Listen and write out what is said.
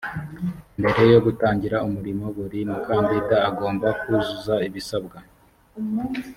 mbere yo gutangira umurimo buri mukandida agomba kuzuza ibisabwa